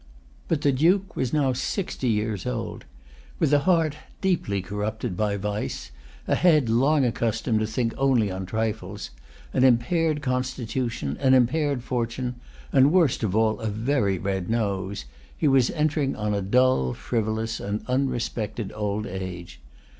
But the Duke was now sixty years old. With a heart deeply corrupted by vice, a head long accustomed to think only on trifles, an impaired constitution, an impaired fortune, and, worst of all, a very red nose, he was entering on a dull, frivolous, and unrespected old age.